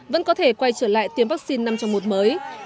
vẫn có thể quay trở lại tiêm vaccine năm trong một mới